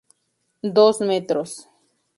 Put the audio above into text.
Dos metros.